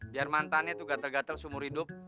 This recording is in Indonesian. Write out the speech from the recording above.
biar mantannya itu gatel gatel seumur hidup